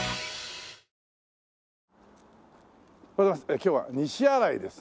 今日は西新井です。